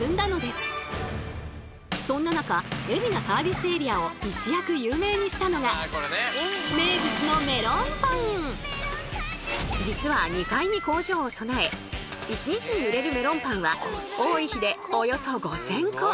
そんな中海老名サービスエリアを一躍有名にしたのが名物の実は２階に工場を備え１日に売れるメロンパンは多い日でおよそ５，０００個。